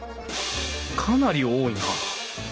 かなり多いな！